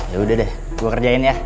yaudah deh gue kerjain ya